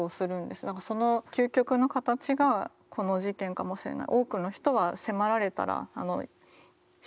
その究極な形がこの事件かもしれない。